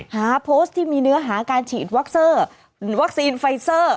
หาโพสต์ที่มีเนื้อหาการฉีดวัคซีนไฟเซอร์